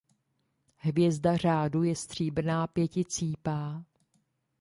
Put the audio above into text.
Hvězda řádu je stříbrná pěticípá.